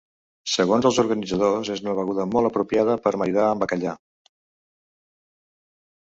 Segons els organitzadors, és una beguda molt apropiada per a maridar amb bacallà.